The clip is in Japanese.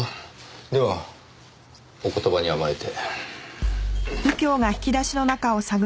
ではお言葉に甘えて。